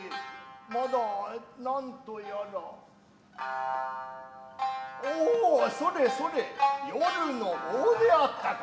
まだ何とやらオオそれそれ夜の棒であったか。